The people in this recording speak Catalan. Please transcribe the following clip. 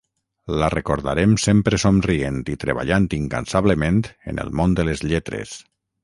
La recordarem sempre somrient i treballant incansablement en el món de les lletres.